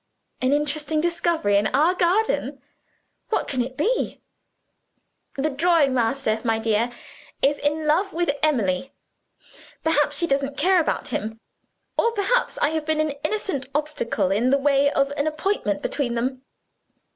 "An interesting discovery in our garden? What can it be?" "The drawing master, my dear, is in love with Emily. Perhaps she doesn't care about him. Or, perhaps, I have been an innocent obstacle in the way of an appointment between them."